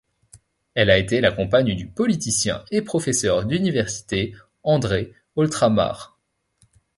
Elle a été la compagne du politicien et professeur d'université André Oltramare.